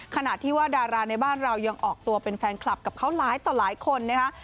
ขณะที่ว่าดาราในบ้านเรายังออกตัวเป็นแฟนคลับกับเขาหลายต่อหลายคนนะคะ